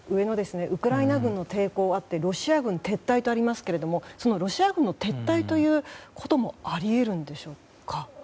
ウクライナ軍の抵抗にあってロシア軍撤退とありますけどロシア軍の撤退ということもあり得るんでしょうか。